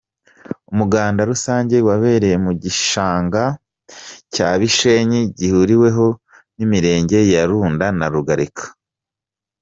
Umuganda rusange wabereye mu gishanga cya Bishenyi gihuriweho n’imirenge ya Runda na Rugarika.